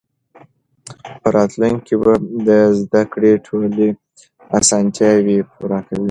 په راتلونکي کې به د زده کړې ټولې اسانتیاوې پوره وي.